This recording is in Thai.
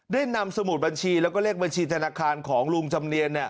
ได้นำสมุดบัญชีแล้วก็เลขบัญชีธนาคารของลุงจำเนียน